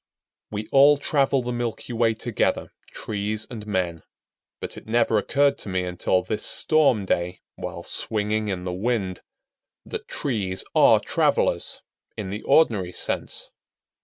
We all travel the milky way together, trees and men; but it never occurred to me until this storm day, while swinging in the wind, that trees are travelers, in the ordinary sense.